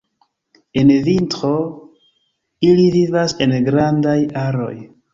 En vintro ili vivas en grandaj aroj.